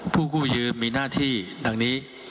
กู้ยืมมีหน้าที่ดังนี้